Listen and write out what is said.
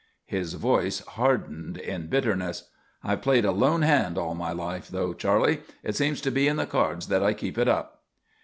His voice hardened in bitterness: "I've played a lone hand all my life, though, Charley; it seems to be in the cards that I keep it up."